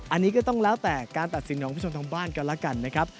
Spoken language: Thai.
อันนี้ก็ต้องแล้วแต่การตัดสินของผู้ชมทางบ้านกันแล้วกันนะครับ